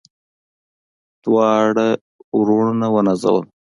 دواړه وروڼه ونازول.